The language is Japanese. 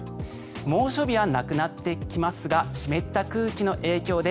猛暑日はなくなってきますが湿った空気の影響で